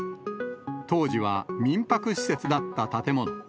当時は民泊施設だった建物。